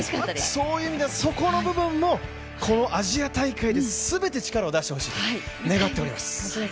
そういう意味ではそこの部分もこのアジア大会で全て力を出してほしいと願っております。